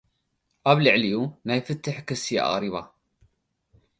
ኣብ ልዕሊኡ ናይ ፍትሕ ክሲ ኣቕሪባ።